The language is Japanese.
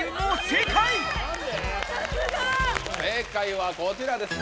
正解はこちらです。